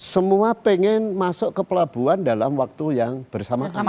semua pengen masuk ke pelabuhan dalam waktu yang bersamaan